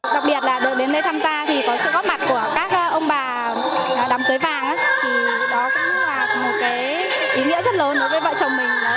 đặc biệt là đội đến đây tham gia thì có sự góp mặt của các ông bà đóng cưới vàng thì đó cũng là một cái ý nghĩa rất lớn đối với vợ chồng mình